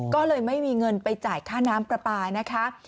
ก็เลยไม่มีเงินไปจ่ายค่าน้ำปลาปลานะคะ